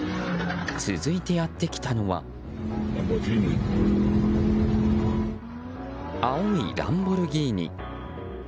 続いてやってきたのは青いランボルギーニ。